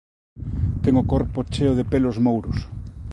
Ten o corpo cheo de pelos mouros.